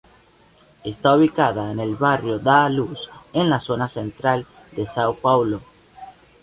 Está ubicada en el barrio da Luz en la Zona Central de São Paulo.